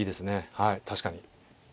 はい確かに。